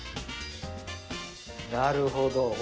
なるほど。